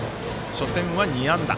初戦は２安打。